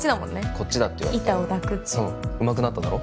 こっちだって言われて板を抱くってうまくなっただろ？